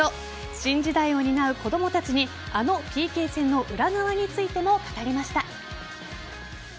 新時代を担う子供たちにあのＰＫ戦の裏側についても語りました。